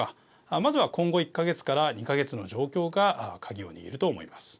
まずは今後１か月から２か月の状況が鍵を握ると思います。